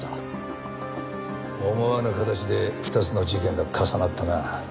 思わぬ形で２つの事件が重なったな。